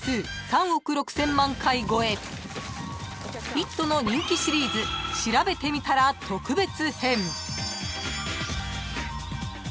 ［『イット！』の人気シリーズ『しらべてみたら』特別編］